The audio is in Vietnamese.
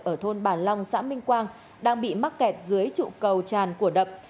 ở thôn bà long xã minh quang đang bị mắc kẹt dưới trụ cầu tràn của đập